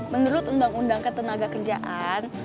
menurut undang undang ketenagakerjaan